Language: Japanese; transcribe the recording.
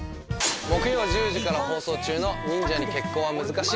木曜１０時から放送中の「忍者に結婚は難しい」。